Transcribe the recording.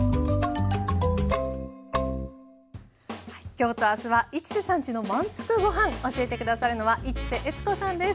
今日と明日は「市瀬さんちの満腹ごはん」教えて下さるのは市瀬悦子さんです。